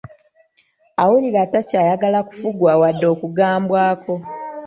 Awulira takyayagala kufugwa wadde okugambwako.